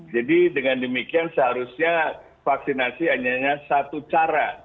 dengan demikian seharusnya vaksinasi hanya satu cara